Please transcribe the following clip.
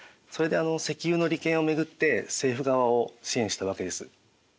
それで石油の利権をめぐって政府側を支援したわけです。